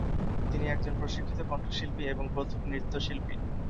তিনি একজন প্রশিক্ষিত কণ্ঠশিল্পী এবং কত্থক নৃত্যশিল্পী।